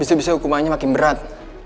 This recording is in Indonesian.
itu bisa hukumannya makin berat